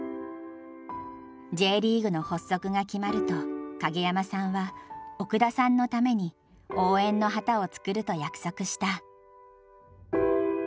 Ｊリーグの発足が決まると影山さんは奥田さんのために応援の旗を作ると約束した。